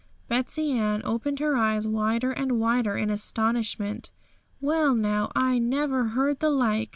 Betsey Ann opened her eyes wider and wider in astonishment. 'Well, now, I never heard the like!